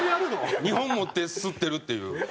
２本持って吸ってるっていう。